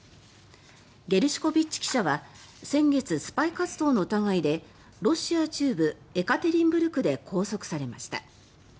ゲルシュコビッチ記者は先月、スパイ活動の疑いでロシア中部エカテリンブルクで拘束されました。